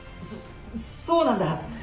そうなんだ。